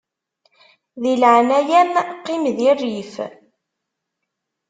Di leɛnaya-m qqim di rrif.